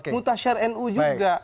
mutasyar nu juga